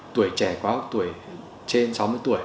tuổi trẻ quá hoặc tuổi trên sáu mươi tuổi